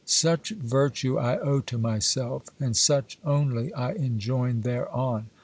Such virtue I owe to myself, and such only I enjoin thereon.